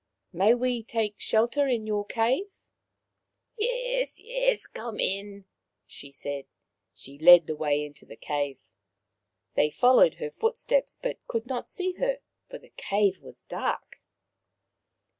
" May we take shelter in your cave ?"" Yes, yes. Come in," she said. She led the way into the cave. They followed her footsteps, but could not see her, for the cave was dark.